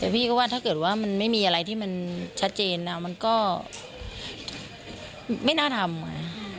แต่พี่ก็ว่าถ้าเกิดว่ามันไม่มีอะไรที่มันชัดเจนมันก็ไม่น่าทำไง